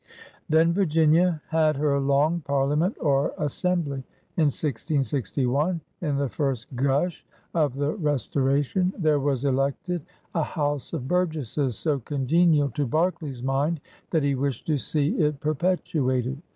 Then Virginia had her Long Parliament or As sembly. In 1661, in the first gush of the Restora^ tion, there was elected a House of Burgesses so congenial to Berkeley's mind that he wished to see it perpetuated.